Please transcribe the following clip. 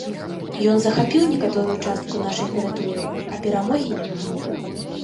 Ён захапіў некаторую частку нашай тэрыторыі, а перамогі няма.